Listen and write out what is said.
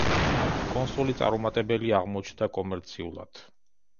კონსოლი წარუმატებელი აღმოჩნდა კომერციულად.